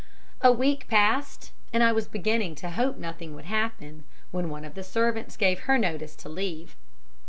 A week passed, and I was beginning to hope nothing would happen, when one of the servants gave notice to leave.